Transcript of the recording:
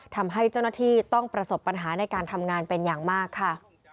ทำให้เจ้าหน้าที่ต้องประสบปัญหาในการทำงานเป็นอย่างมากค่ะ